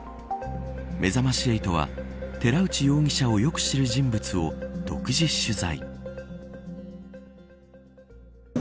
めざまし８は寺内容疑者をよく知る人物を独自取材。